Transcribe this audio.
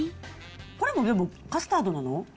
これもうでもカスタードなの？